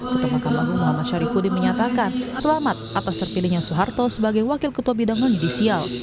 ketua mahkamah agung muhammad syarifudin menyatakan selamat atas terpilihnya soeharto sebagai wakil ketua bidang non judisial